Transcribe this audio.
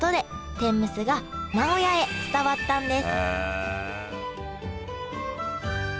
天むすが名古屋へ伝わったんです